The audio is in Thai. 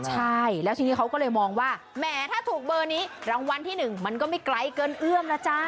ใช่แล้วทีนี้เขาก็เลยมองว่าแหมถ้าถูกเบอร์นี้รางวัลที่๑มันก็ไม่ไกลเกินเอื้อมนะจ๊ะ